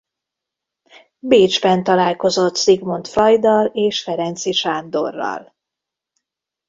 Bécsben találkozott Sigmund Freuddal és Ferenczi Sándorral.